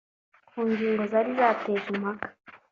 Ku ngingo zari zateje impaka